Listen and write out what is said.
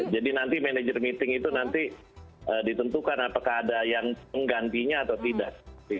jadi nanti manager meeting itu nanti ditentukan apakah ada yang menggantinya atau tidak